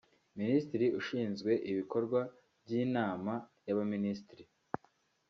Minisitiri Ushinzwe Ibikorwa by’Inama y’Abaministiri